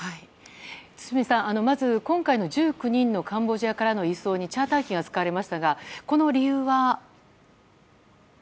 堤さん、まず今回の１９人のカンボジアからの移送にチャーター機が使われましたがこの理由は？